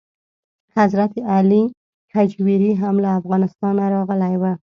حضرت علي هجویري هم له افغانستانه راغلی و.